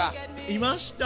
いました。